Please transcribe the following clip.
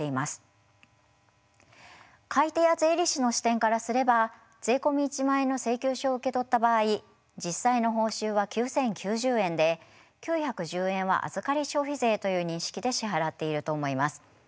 買い手や税理士の視点からすれば税込１万円の請求書を受け取った場合実際の報酬は９，０９０円で９１０円は預り消費税という認識で支払っていると思います。